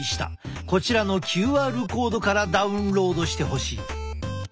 こちらのＱＲコードからダウンロードしてほしい。